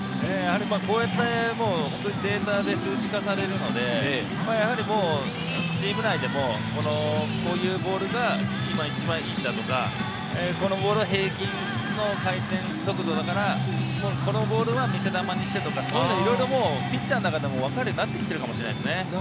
データで数値化されるので、チーム内でもこういうボールが今、一番いいんだとか、このボールは平均の回転速度だから、このボールは見せ球にしてとか、ピッチャーの中でもわかるようになってきているのかもしれませんね。